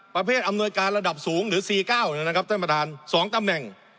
ประเภทอำนวยการระดับสูงหรือ๔๙นะครับท่านประธาน๒ตำแหน่ง